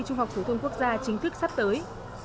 trung học phủ thương quốc gia chính thức sắp tới